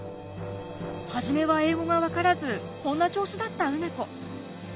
初めは英語が分からずこんな調子だった梅子。